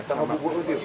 sama bubuk itu